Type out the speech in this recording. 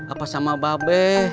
atau sama babe